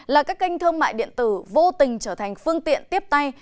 là các kênh thương mại điện tử vô tình trở thành phương tiện tiếp tay